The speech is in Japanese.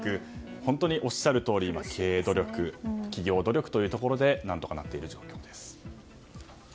本当におっしゃるとおり経営努力、企業努力で何とかなっている状態です。